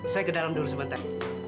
saya ke dalam dulu sebentar